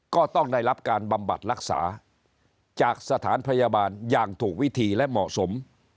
ก็ต้องได้รับการบำบัดรักษาจากสถานพยาบาลอย่างถูกวิธีและเหมาะสม